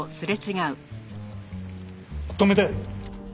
止めて！